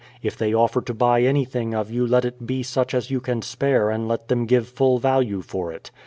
If they offer to buy anything of you let it be such as you can spare and let them give full value for it.